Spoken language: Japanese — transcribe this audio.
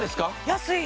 安い！